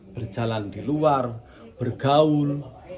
berjalan di luar bergaul